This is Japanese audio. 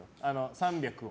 ３００を。